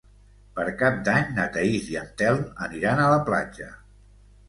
Per Cap d'Any na Thaís i en Telm aniran a la platja.